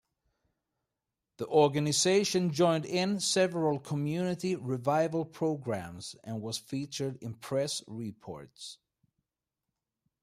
The organization joined in several community revival programs and was featured in press reports.